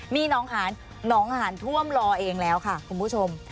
มีน้องหานหนองหานท่วมรอเองแล้วค่ะคุณผู้ชม